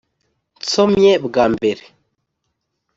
nsomye bwa mbere!